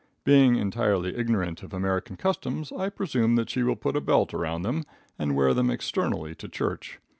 Being entirely ignorant of American customs, I presume that she will put a belt around them and wear them externally to church.